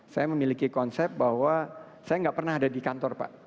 saya memiliki konsep bahwa saya nggak pernah ada di kantor pak